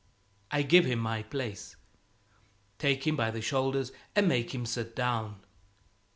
I give him my place, take him by the shoulders and make him sit down.